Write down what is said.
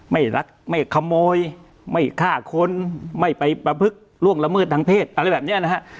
ไม่รักไม่ขโมยไม่ฆ่าคนไม่ไปประพฤกษล่วงละเมิดทางเพศอะไรแบบนี้นะฮะ